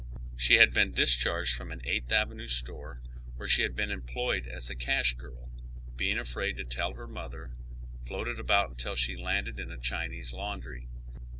She had been discharged from an Eighth Avenue store, wliere she was employed as cash girl, and, being afraid to tell her mother, floated about until she landed in a Chin ese laundry.